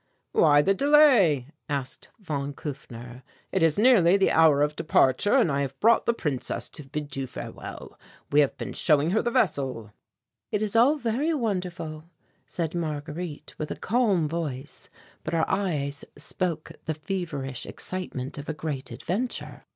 "Why the delay?" asked von Kufner. "It is nearly the hour of departure, and I have brought the Princess to bid you farewell. We have been showing her the vessel." "It is all very wonderful," said Marguerite with a calm voice, but her eyes spoke the feverish excitement of a great adventure.